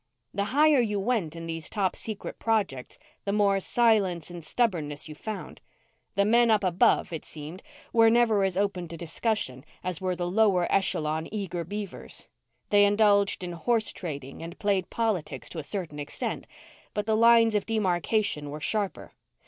The higher you went in these top secret projects, the more silence and stubbornness you found. The men up above, it seemed, were never as open to discussion as were the lower echelon eager beavers. They indulged in horse trading and played politics to a certain extent, but the lines of demarcation were sharper.